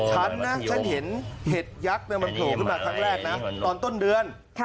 ฉันนะฉันเห็นเห็ดยักษ์มันโผล่ขึ้นมาครั้งแรกนะตอนต้นเดือน